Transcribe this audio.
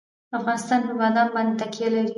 افغانستان په بادام باندې تکیه لري.